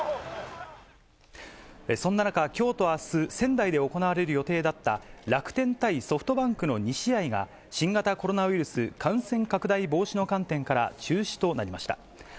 そんな中、きょうとあす、仙台で行われる予定だった楽天対ソフトバンクの２試合が、新型コロナウイルス感染拡大防止の観点から、中止となりました。